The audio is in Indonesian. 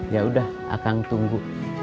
ya udah akang tunggu